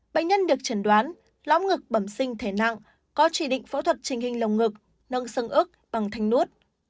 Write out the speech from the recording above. bệnh nhân được chẩn đoán lõm ngực bẩm sinh thể nặng có chỉ định phẫu thuật trình hình lồng ngực nâng sân ức bằng thanh nút